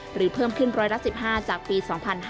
หรือเพิ่มขึ้น๑๑๕จากปี๒๕๕๙